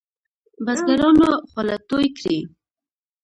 بزګرانو خوله توی کړې.